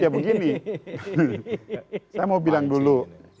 ya begini saya mau bilang dulu